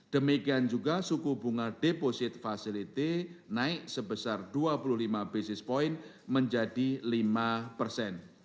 demikian juga suku bunga deposit facility naik sebesar dua puluh lima basis point menjadi lima persen